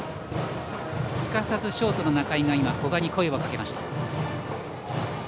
すかさずショートの仲井が古賀に声をかけました。